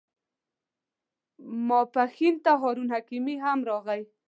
ماپښین ته هارون حکیمي هم راغی.